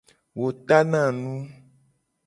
Wo tana nu.